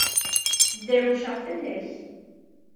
Drewceɣ fell-ak.